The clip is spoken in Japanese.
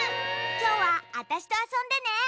きょうはあたしとあそんでね！